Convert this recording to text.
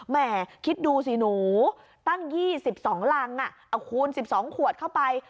แม่คิดดูสิหนูตั้ง๒๒รังเอาคูณ๑๒ขวดเข้าไป